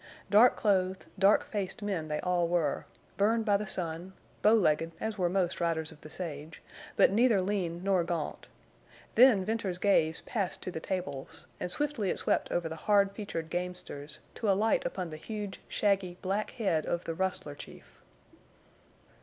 Dark clothed, dark faced men they all were, burned by the sun, bow legged as were most riders of the sage, but neither lean nor gaunt. Then Venters's gaze passed to the tables, and swiftly it swept over the hard featured gamesters, to alight upon the huge, shaggy, black head of the rustler chief.